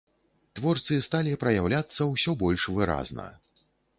Творцы сталі праяўляцца ўсё больш выразна.